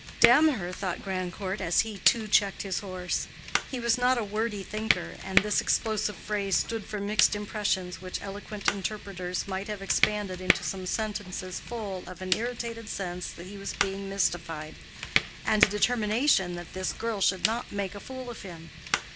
"Damn her!" thought Grandcourt, as he too checked his horse. He was not a wordy thinker, and this explosive phrase stood for mixed impressions which eloquent interpreters might have expanded into some sentences full of an irritated sense that he was being mystified, and a determination that this girl should not make a fool of him.